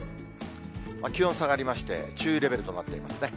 気温下がりまして、注意レベルとなっていますね。